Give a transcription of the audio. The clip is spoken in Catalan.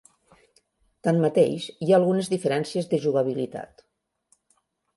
Tanmateix, hi ha algunes diferències de jugabilitat.